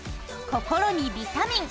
心にビタミン！